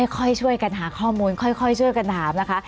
ค่อยช่วยกันหาข้อมูลค่อยช่วยกันถามนะคะ